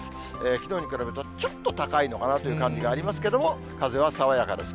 きのうに比べるとちょっと高いのかなという感じがありますけれども、風は爽やかです。